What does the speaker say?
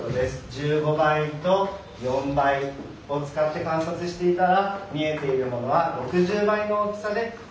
１５倍と４倍を使って観察していたら見えているものは６０倍の大きさで。